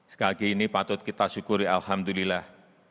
sekali lagi ini patut kita syukuri alhamdulillah